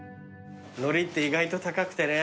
海苔って意外と高くてね。